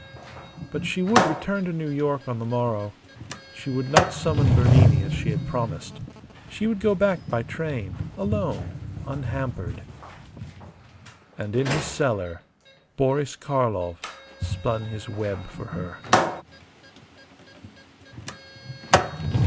But she would return to New York on the morrow. She would not summon Bernini as she had promised. She would go back by train, alone, unhampered. And in his cellar Boris Karlov spun his web for her.